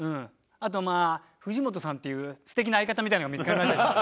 あとまあ藤本さんっていう素敵な相方みたいなのが見付かりましたし。